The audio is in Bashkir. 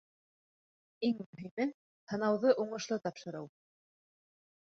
Иң мөһиме — һынауҙы уңышлы тапшырыу.